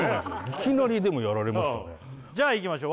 いきなりやられましたねじゃあいきましょう